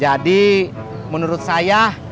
jadi menurut saya